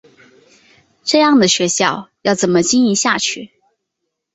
这样的学校要怎么经营下去？